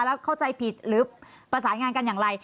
แล้วเข้าใจผิดหรือประสานงานกันอย่างไร